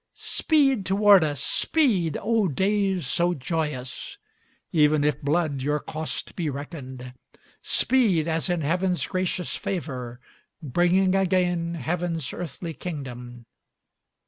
Speed toward us, speed, O days so joyous! Even if blood your cost be reckoned; Speed as in Heaven's gracious favor, Bringing again Heaven's earthly kingdom.